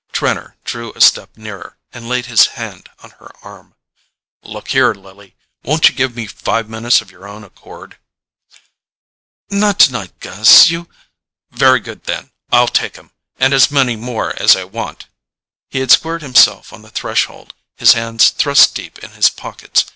Trenor drew a step nearer and laid his hand on her arm. "Look here, Lily: won't you give me five minutes of your own accord?" "Not tonight, Gus: you——" "Very good, then: I'll take 'em. And as many more as I want." He had squared himself on the threshold, his hands thrust deep in his pockets.